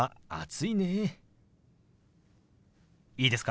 いいですか？